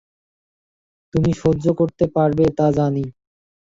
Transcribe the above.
তুমি সহ্য করতে পারবে তা জানি।